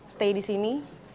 stay di sini